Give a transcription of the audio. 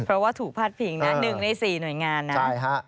เพราะว่าถูกพาดพิงนะ๑ใน๔หน่วยงานนะ